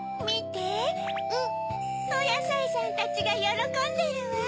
おやさいさんたちがよろこんでるわ。